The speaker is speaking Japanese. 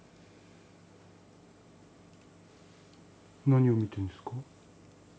何を見てるんですか？